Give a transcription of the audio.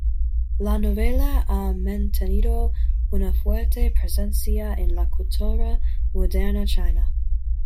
La novela ha mantenido una fuerte presencia en la cultura moderna china.